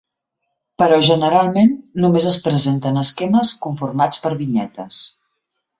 Però, generalment, només es presenten esquemes conformats per vinyetes.